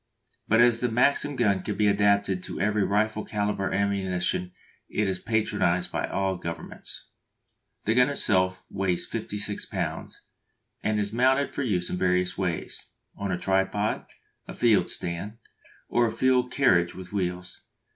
But as the Maxim gun can be adapted to every rifle calibre ammunition it is patronised by all governments. The gun itself weighs 56 lbs., and is mounted for use in various ways: on a tripod, a field stand, or a field carriage with wheels.